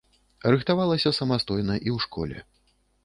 Рыхтавалася самастойна і ў школе.